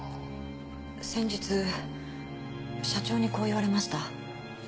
先日社長にこう言われました。